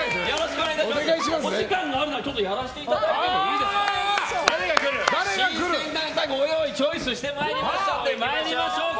お時間があるのでやらしていただいていいですか。